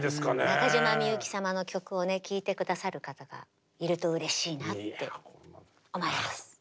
中島みゆき様の曲をね聴いて下さる方がいるとうれしいなって思います。